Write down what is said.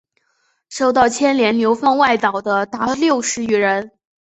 受到牵连流放外岛的达六十余人。